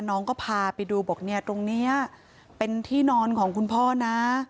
น้องก็พาไปดูบอกเนี่ยตรงนี้เป็นที่นอนของคุณพ่อนะ